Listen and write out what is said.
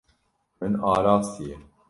Min arastiye.